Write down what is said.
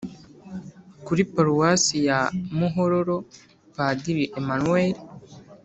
kuriparuwasi ya muhororo, padiri emmanuel